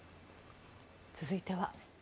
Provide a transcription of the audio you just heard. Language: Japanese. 続いては。